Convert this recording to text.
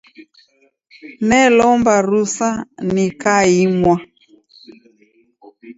Nelomba rusa nikaimwa.